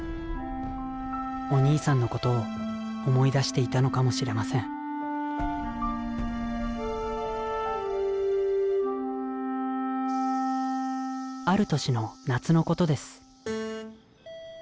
お兄さんのことを思い出していたのかもしれませんある年の夏のことです